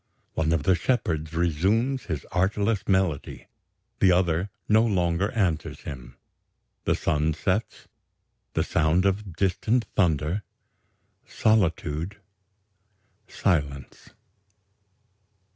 One of the shepherds resumes his artless melody, the other no longer answers him. The sun sets ... the sound of distant thunder ... solitude ... silence....